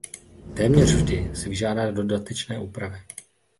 Téměř vždy si vyžádá dodatečné úpravy.